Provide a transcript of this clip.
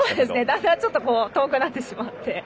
だんだん遠くなってしまって。